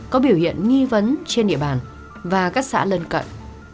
có biểu hiện nghi vấn trên địa bàn và các xã lân cận